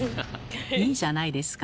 いいじゃないですか。